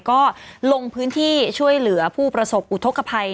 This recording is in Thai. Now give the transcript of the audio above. ก็ลงพื้นที่ช่วยเหลือผู้ประสบอุทธกภัย